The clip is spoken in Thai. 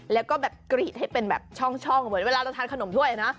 แล้วก็แบบกรีดให้เป็นแบบช่องเหมือนเวลาเราทานขนมถ้วยนะ